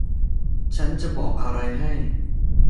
ฉันจะบอกอะไรให้